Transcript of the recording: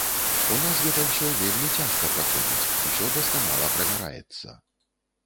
У нас гэта ўсё вельмі цяжка праходзіць, усё дасканала правяраецца.